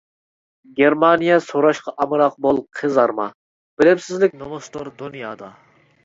-گېرمانىيە سوراشقا ئامراق بول قىزارما، بىلىمسىزلىك نومۇستۇر دۇنيادا.